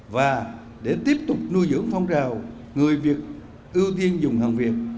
và để tiếp tục nuôi dưỡng phong trào người việt ưu tiên dùng hàng việt